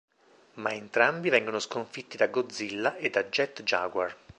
Ma entrambi vengono sconfitti da Godzilla e da Jet Jaguar.